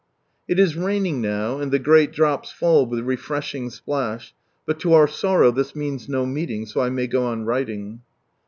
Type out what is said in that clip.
It is raining now, and the great drops fall with refreshing splash, but to our sorrow this means no meeting, so I may go on writing.